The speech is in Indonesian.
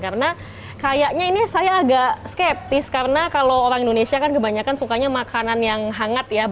karena kayaknya ini saya agak skeptis karena kalau orang indonesia kan kebanyakan sukanya makanan yang hangat ya